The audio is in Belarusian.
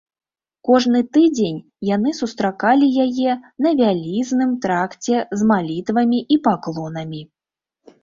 Кожны тыдзень яны сустракалі яе на вялізным тракце з малітвамі і паклонамі.